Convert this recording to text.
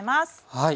はい。